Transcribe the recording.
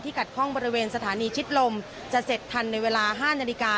ขัดข้องบริเวณสถานีชิดลมจะเสร็จทันในเวลา๕นาฬิกา